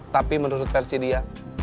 tapi menurut versi dia